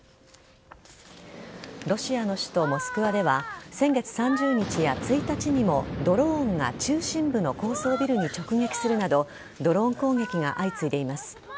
ロシアの首都・モスクワでは先月３０日や１日にもドローンが中心部の高層ビルに直撃するなどドローン攻撃が相次いでいます。